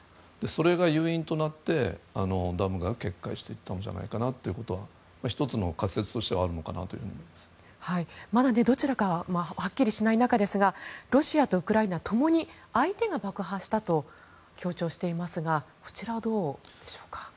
それが誘因となってダムが決壊していったのじゃないかなというのは１つの仮説としてはまだどちらかはっきりしない中ですがロシアとウクライナ共に相手が爆破したと強調していますがこちらはどうでしょうか。